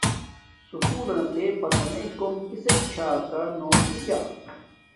سوکولنا تے پسنݷ کوم کسک چھا کا نو کجا